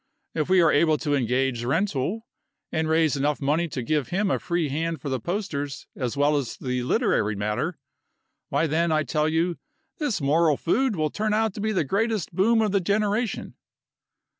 If we are able to engage Rentoul, and raise enough money to give him a free hand for the posters as well as the literary matter, why then, I tell you, this moral food will turn out to be the greatest boom of the generation."